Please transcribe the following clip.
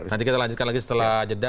nanti kita lanjutkan lagi setelah jeda